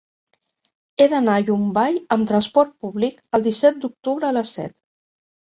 He d'anar a Llombai amb transport públic el disset d'octubre a les set.